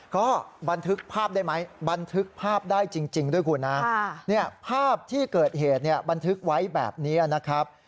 ก็บันทึกภาพได้ไหมบันทึกภาพได้จริงด้วยคุณนะภาพที่เกิดเหตุเนี่ยบันทึกไว้แบบนี้นะครับ